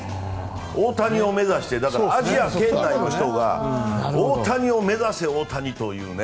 大谷を目指してアジア圏内の人が大谷を目指せ、大谷！というね。